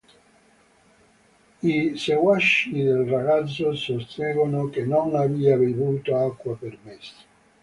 I seguaci del ragazzo sostengono che non abbia bevuto acqua per mesi.